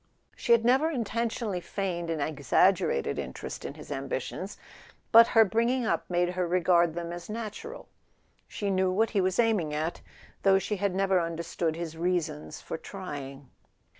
She had never intentionally feigned an exaggerated interest in his ambitions. But her bringing up made her regard them as natural; she knew what he was aiming at, though she had never understood his reasons for trying.